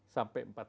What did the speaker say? sampai empat lima ya